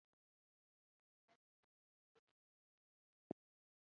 ناکامي یوازې د کامیابۍ لپاره تمرین دی.